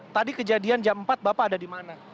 tadi kejadian jam empat bapak ada di mana